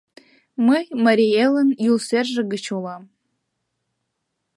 — Мый Марий Элын Юлсерже гыч улам.